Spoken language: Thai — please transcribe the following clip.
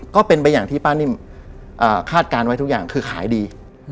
ก็เป็นไปอย่างที่ป้านิ่มคาดการณ์ไว้ทุกอย่างคือขายดี